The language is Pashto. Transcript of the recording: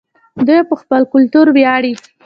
دوی په خپل کلتور ویاړي.